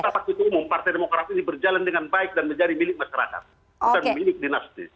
kata pak ketua umum partai demokrat ini berjalan dengan baik dan menjadi milik masyarakat bukan milik dinasti